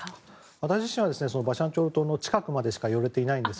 私自身はバシャンチャール島の近くまでしか寄れていないんです。